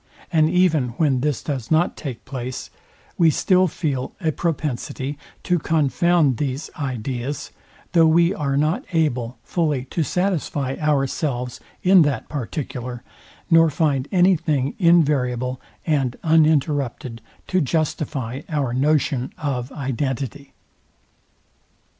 And even when this does not take place, we still feel a propensity to confound these ideas, though we are not able fully to satisfy ourselves in that particular, nor find any thing invariable and uninterrupted to justify our notion of identity.